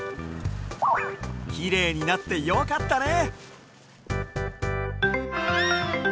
きれいになってよかったね。